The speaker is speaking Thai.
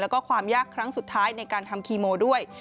แล้วก็ความยากครั้งสุดท้ายในการทำคีโมด้วย